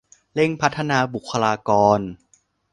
เร่งพัฒนาบุคลากร